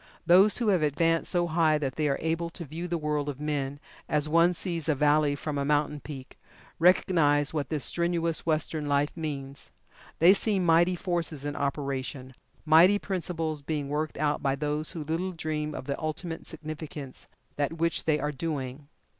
Those who have advanced so high that they are able to view the world of men, as one sees a valley from a mountain peak, recognize what this strenuous Western life means. They see mighty forces in operation mighty principles being worked out by those who little dream of the ultimate significance of that which they are doing.